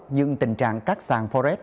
nhưng tình trạng các sàn forex